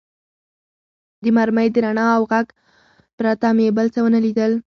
د مرمۍ د رڼا او غږ پرته مې بل څه و نه لیدل.